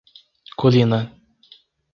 Colina